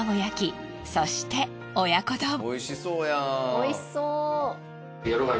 おいしそうやん。